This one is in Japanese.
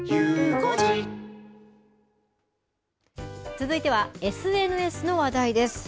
続いてはＳＮＳの話題です。